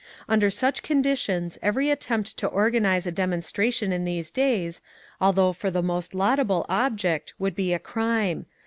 "Under such conditions every attempt to organise a demonstration in these days, although for the most laudable object, would be a crime.